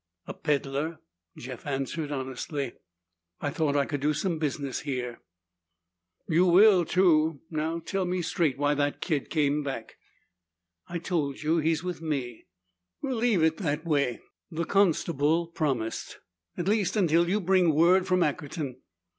"A peddler," Jeff answered honestly. "I thought I could do some business here." "You will, too. Now tell me straight why that kid came back." "I told you. He's with me." "We'll leave it that way," the constable promised, "at least until you bring word from Ackerton.